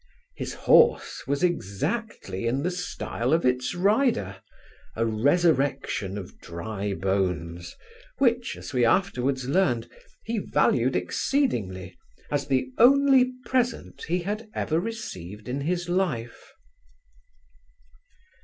His horse was exactly in the stile of its rider; a resurrection of dry bones, which (as we afterwards learned) he valued exceedingly, as the only present he had ever received in his life.